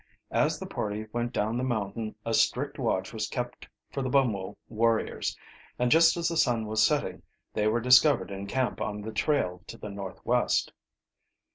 As the party went down the mountain a strict watch was kept for the Bumwo warriors, and just as the sun was setting, they were discovered in camp on the trail to the northwest.